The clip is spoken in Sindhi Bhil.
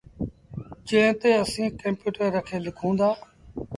جݩهݩ تي اسيٚݩ ڪمپيوٽر رکي لکون دآ۔